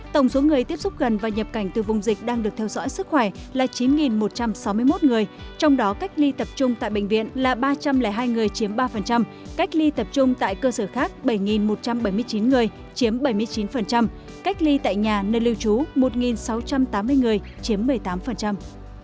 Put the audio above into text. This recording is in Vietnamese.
tổng số người tiếp xúc gần và nhập cảnh từ vùng dịch đang được theo dõi sức khỏe là chín một trăm sáu mươi một người trong đó cách ly tập trung tại bệnh viện là ba trăm linh hai người chiếm ba cách ly tập trung tại cơ sở khác bảy một trăm bảy mươi chín người chiếm bảy mươi chín cách ly tại nhà nơi lưu trú một sáu trăm tám mươi người chiếm một mươi tám